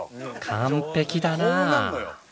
完璧だなあ。